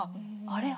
「あれ？